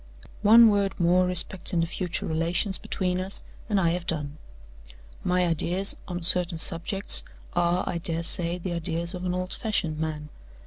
"One word more respecting the future relations between us, and I have done. My ideas on certain subjects are, I dare say, the ideas of an old fashioned man.